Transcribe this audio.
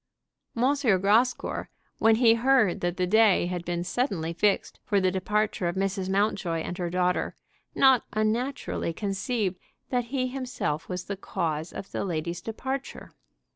M. Grascour, when he heard that the day had been suddenly fixed for the departure of Mrs. Mountjoy and her daughter, not unnaturally conceived that he himself was the cause of the ladies' departure.